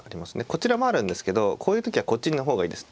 こちらもあるんですけどこういう時はこっちの方がいいです。